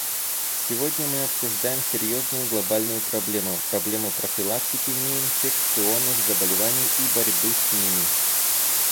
Сегодня мы обсуждаем серьезную глобальную проблему: проблему профилактики неинфекционных заболеваний и борьбы с ними.